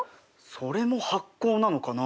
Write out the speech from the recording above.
それも発酵なのかな？